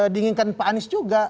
dinginkan pak anies juga